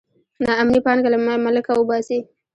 نا امني پانګه له ملکه وباسي.